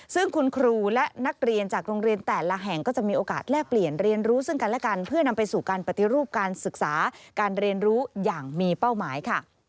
ซึ่งคุณครูและนักเรียนจากโรงเรียนแต่ละแห่งก็จะมีโอกาสแลกเปลี่ยนเรียนรู้ซึ่งกันและกันเพื่อนำไปสู่การปฏิรูปการศึกษาการเรียนรู้อย่างมีเป้าหมายค่ะ